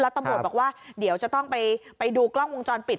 ตำรวจบอกว่าเดี๋ยวจะต้องไปดูกล้องวงจรปิด